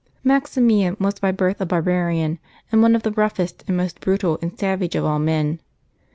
Maximian was by birth a barbarian, and one of the roughest and most brutal and savage of all men.